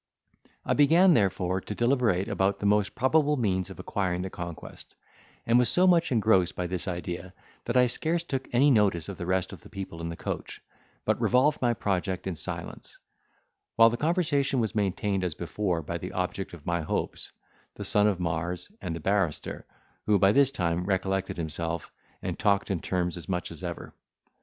I began therefore to deliberate about the most probable means of acquiring the conquest, and was so much engrossed by this idea, that I scarce took any notice of the rest of the people in the coach, but revolved my project in silence; while the conversation was maintained as before by the object of my hopes, the son of Mars, and the barrister, who by this time recollected himself, and talked in terms as much as ever.